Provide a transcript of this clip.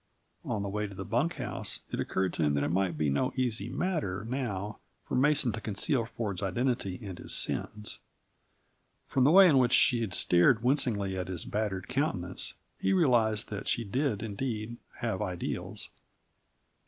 On the way to the bunk house it occurred to him that it might be no easy matter, now, for Mason to conceal Ford's identity and his sins. From the way in which she had stared wincingly at his battered countenance, he realized that she did, indeed, have ideals.